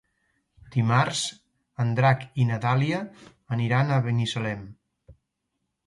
Dimarts en Drac i na Dàlia aniran a Binissalem.